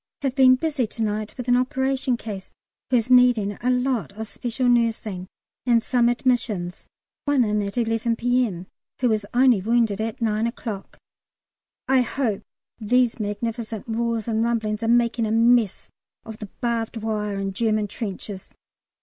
Have been busy to night with an operation case who is needing a lot of special nursing, and some admissions one in at 11 P.M., who was only wounded at 9 o'clock. I hope these magnificent roars and rumblings are making a mess of the barbed wire and German trenches.